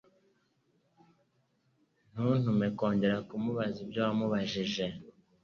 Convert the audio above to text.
Ntuntume kongera kukubaza ibya wamubajije.